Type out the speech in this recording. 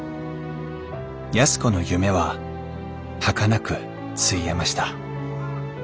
安子の夢ははかなくついえました。